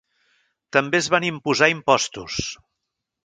També es van imposar impostos.